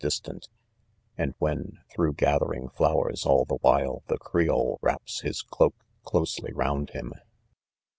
distant, "and when, though gathering flowers all the while, the Creole wraps his cloak, closely round him."